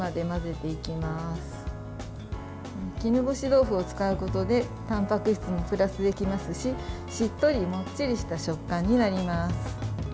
豆腐を使うことでたんぱく質もプラスできますししっとりもっちりした食感になります。